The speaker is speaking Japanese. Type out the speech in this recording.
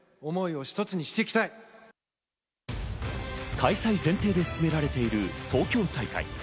開催前提で進められている東京大会。